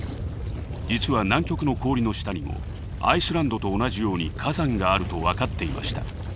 実は南極の氷の下にもアイスランドと同じように火山があると分かっていました。